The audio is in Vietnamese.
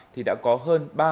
thì đã có hơn ba